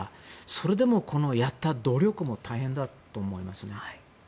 それでも、これをやった努力も大変だと思いますね。